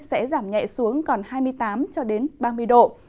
sẽ giảm nhẹ xuống còn hai mươi tám ba mươi độ